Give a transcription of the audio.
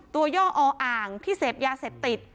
ตัวย่องออ่างที่เสพยาเสร็จติด